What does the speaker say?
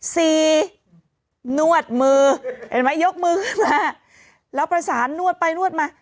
นวดมือเห็นไหมยกมือขึ้นมาแล้วประสานนวดไปนวดมา